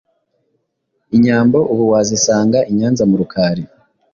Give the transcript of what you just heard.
Inyambo ubu wazisanga i Nyanza mu Rukari